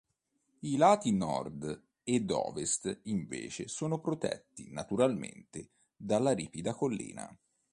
I lati nord ed ovest invece sono protetti naturalmente dalla ripida collina.